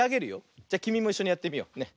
じゃきみもいっしょにやってみよう。ね。